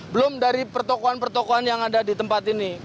belum dari pertokoan pertokoan yang ada di tempat ini